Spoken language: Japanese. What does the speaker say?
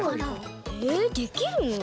えできるの？